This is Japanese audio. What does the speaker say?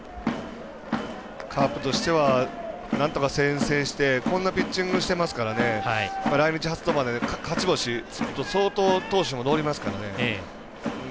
カープとしてはなんとか先制してこんなピッチングしてますからね来日初登板で、勝ち星つくと相当投手も乗りますからね。